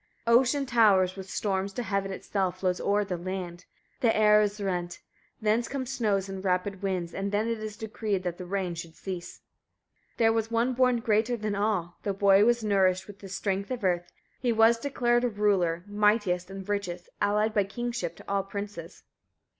40. Ocean towers with storms to heaven itself, flows o'er the land; the air is rent: thence come snows and rapid winds; then it is decreed that the rain should cease. 41. There was one born greater than all, the boy was nourished with the strength of earth; he was declared a ruler, mightiest and richest, allied by kinship to all princes.